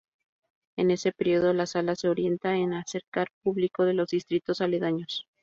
En ese periodo la sala se orienta en acercar público de los distritos aledaños.